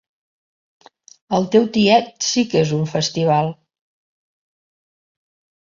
El teu tiet sí que és un festival.